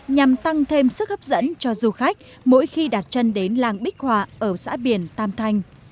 nhằm tăng thêm sức hấp dẫn cho du khách mỗi khi đặt chân đến làng bích họa ở xã biển tam thanh